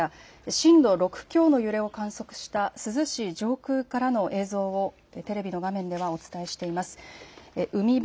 震度６強の揺れを観測した珠洲市上空からの映像をテレビの画面ではお伝えしています。